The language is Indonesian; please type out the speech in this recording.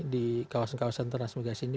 di kawasan kawasan transmigrasi ini